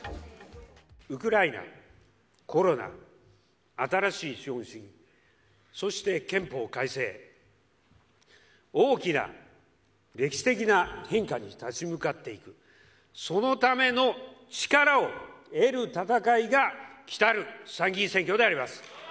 ウクライナ、コロナ、新しい資本主義、そして憲法改正、大きな歴史的な変化に立ち向かっていく、そのための力を得る戦いが、きたる参議院選挙であります。